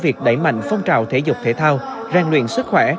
việc đẩy mạnh phong trào thể dục thể thao rèn luyện sức khỏe